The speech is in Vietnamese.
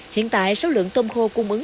hiện tại số lượng tôm khô cung ứng